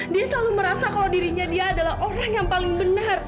dia selalu merasa kalau dirinya dia adalah orang yang paling benar